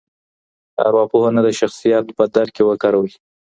ارواپوهنه د شخصیت په درک کې وکاروئ.